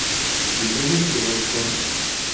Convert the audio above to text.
Yella win i iɣelḍen.